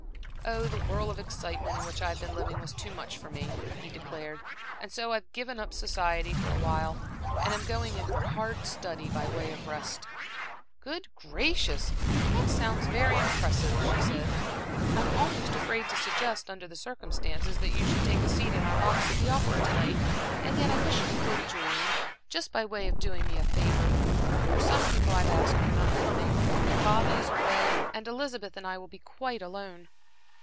"Oh, the whirl of excitement in which I've been living was too much for me," he declared "and so I've given up society for awhile, and am going in for hard study by way of rest." "Good gracious! That sounds very impressive," she said. "I'm almost afraid to suggest, under the circumstances, that you should take a seat in our box at the opera to night. And yet I wish you would, Julian, just by way of doing me a favor, for some people I've asked are not coming, and Bobby is away, and Elizabeth and I will be quite alone."